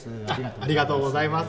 ありがとうございます。